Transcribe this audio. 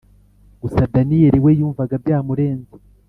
gusa daniel we yumvaga byamurenze